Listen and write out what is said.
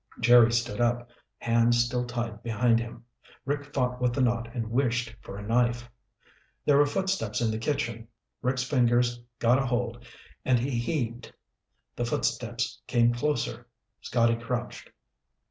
Jerry stood up, hands still tied behind him. Rick fought with the knot and wished for a knife. There were footsteps in the kitchen. Rick's fingers got a hold and he heaved. The footsteps came closer. Scotty crouched.